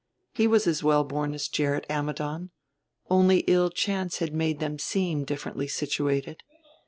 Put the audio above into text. He was as well born as Gerrit Ammidon; only ill chance had made them seem differently situated.